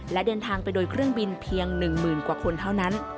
และเดินทางไปโดยเครื่องบินเพียง๑๐๐๐กว่าคนเท่านั้น